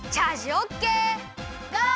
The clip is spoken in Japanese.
ゴー！